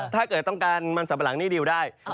ถ้าเกิดต้องการมันสัมปะหลังนี่ดิวได้